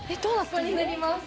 ここに乗ります。